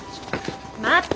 待って。